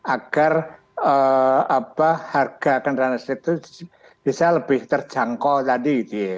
agar harga kendaraan listrik itu bisa lebih terjangkau tadi